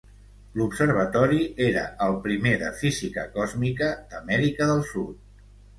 L'observatori era el primer de física còsmica d'Amèrica del Sud.